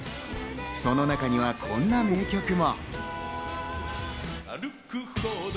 その中にはこんな名曲も。